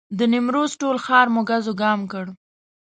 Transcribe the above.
د نیمروز ټول ښار مو ګز وګام کړ.